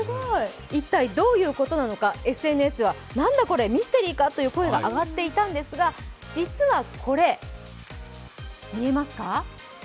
一体どういうことなのか、ＳＮＳは、何だこれミステリーかという声が上がっていたんですが、実はこれ、見えますか？